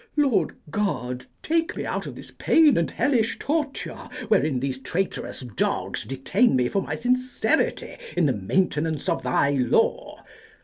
Lord God, take me out of this pain and hellish torture, wherein these traitorous dogs detain me for my sincerity in the maintenance of thy law!